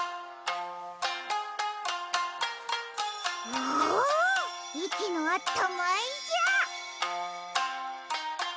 おおいきのあったまいじゃ。